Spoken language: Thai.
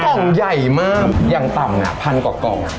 แล้วกล่องใหญ่มากอย่างต่ำน่ะพันกกล่อง